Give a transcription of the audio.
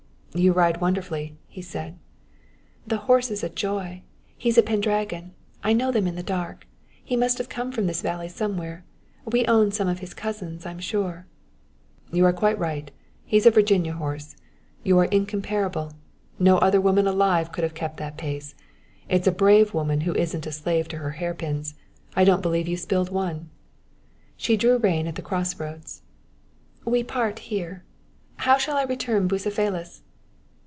"You ride wonderfully," he said. "The horse is a joy. He's a Pendragon I know them in the dark. He must have come from this valley somewhere. We own some of his cousins, I'm sure." "You are quite right. He's a Virginia horse. You are incomparable no other woman alive could have kept that pace. It's a brave woman who isn't a slave to her hair pins I don't believe you spilled one." She drew rein at the cross roads. "We part here. How shall I return Bucephalus?"